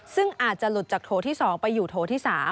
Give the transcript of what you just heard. ซึ่งอาจจะหลุดจากโถที่๒ไปอยู่โถที่๓